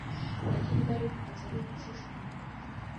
Lakini bado kukataliwa kushushwa moyo.